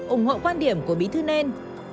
ủng hộ quan điểm của bí thư nên